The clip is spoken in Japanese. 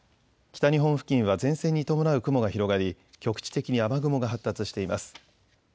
北日本付近は前線に伴う雲が広がり局地的に雨雲が発達しています。